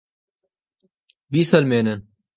بیسەلمێنن!